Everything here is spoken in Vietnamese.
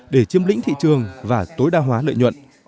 để chiếm lĩnh thị trường và tối đa hóa lợi nhuận